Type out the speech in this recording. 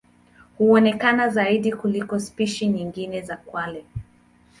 Huonekana zaidi kuliko spishi nyingine za kwale.